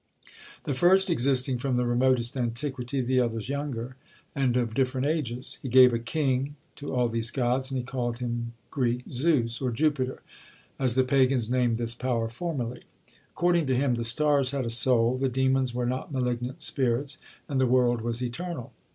The first existing from the remotest antiquity; the others younger, and of different ages. He gave a king to all these gods, and he called him [Greek: ZEUS], or Jupiter; as the pagans named this power formerly. According to him, the stars had a soul; the demons were not malignant spirits; and the world was eternal.